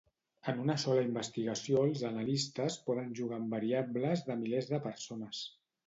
En una sola investigació els analistes poden jugar amb variables de milers de persones.